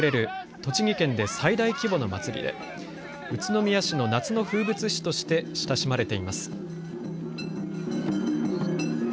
栃木県で最大規模の祭りで宇都宮市の夏の風物詩として親しまれています。